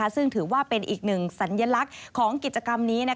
ซึ่งถือว่าเป็นอีกหนึ่งสัญลักษณ์ของกิจกรรมนี้